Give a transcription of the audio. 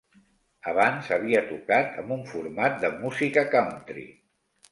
Abans, havia tocat amb un format de música country.